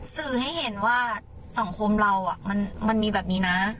สื่อให้เห็นว่าสังคมเรามันมีแบบนี้นะ